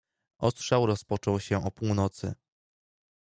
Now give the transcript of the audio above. Ostrzał rozpoczął się o północy.